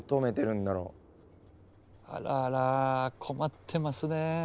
あらら困ってますね。